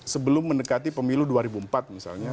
sebelum mendekati pemilu dua ribu empat misalnya